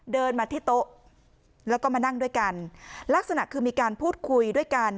เดินมาที่โต๊ะแล้วก็มานั่งด้วยกันลักษณะคือมีการพูดคุยด้วยกัน